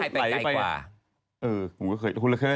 ปล๊อกแล้วก็ใกล้